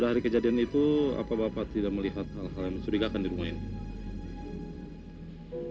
dari kejadian itu apa bapak tidak melihat hal hal yang mencurigakan di rumah ini